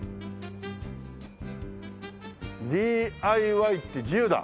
「ＤＩＹって自由だ。」